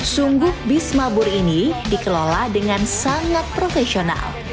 sungguh bisma bur ini dikelola dengan sangat profesional